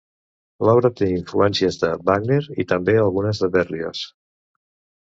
L’obra té influències de Wagner i també algunes de Berlioz.